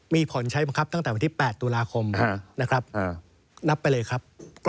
มีผลใช้บังคับตั้งแต่วันที่๘ตุลาคมนะครับนับไปเลยครับ